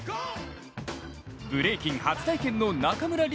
ブレイキン初体験の中村輪